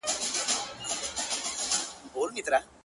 خپل وېښته وینم پنبه غوندي ځلیږي!.